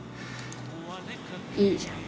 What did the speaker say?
いいじゃん。